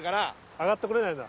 上がってこれないんだ。